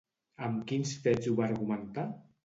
Amb quins fets ho va argumentar?